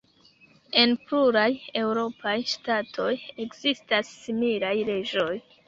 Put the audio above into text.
En pluraj eŭropaj ŝtatoj ekzistas similaj leĝoj.